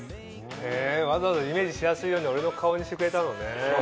へぇわざわざイメージしやすいように俺の顔にしてくれたのね。